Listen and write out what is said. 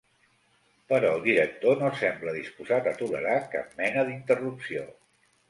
Però el director no sembla disposat a tolerar cap mena d'interrupció.